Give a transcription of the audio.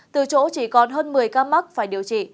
từ chỗ chỉ còn hơn một mươi ca mắc phải điều trị